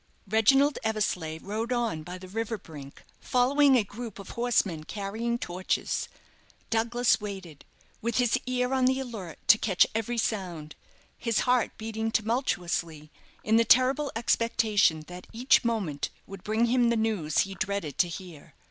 Reginald Eversleigh rode on by the river brink, following a group of horsemen carrying torches. Douglas waited, with his ear on the alert to catch every sound, his heart beating tumultuously, in the terrible expectation that each moment would bring him the news he dreaded to hear.